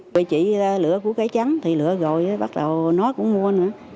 vì chị lựa của cây trắng thì lựa rồi bắt đầu nói cũng mua nữa